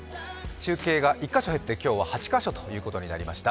中継が１カ所減って８カ所ということになりました。